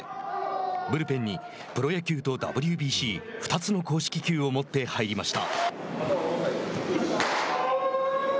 ブルペンにプロ野球とＷＢＣ２つの公式球を持って入りました。